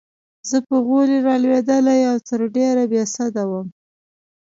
زه پر غولي رالوېدلې او تر ډېره بې سده وم.